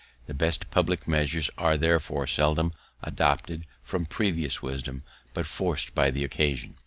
The best public measures are therefore seldom adopted from previous wisdom, but forc'd by the occasion.